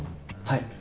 はい。